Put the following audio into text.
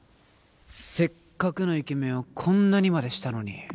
せっかくのイケメンをこんなにまでしたのに。